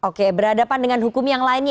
oke berhadapan dengan hukum yang lainnya